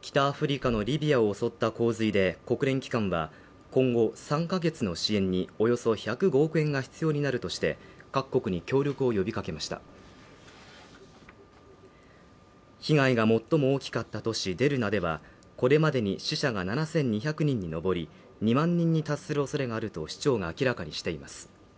北アフリカのリビアを襲った洪水で国連機関は今後３か月の支援におよそ１０５億円が必要になるとして各国に協力を呼びかけました被害が最も大きかったとしデルナではこれまでに死者が７２００人に上り２万人に達する恐れがあると市長が明らかにしています